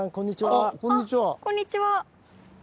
あっこんにちは。